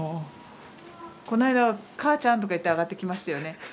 この間母ちゃんとか言って上がってきましたよね。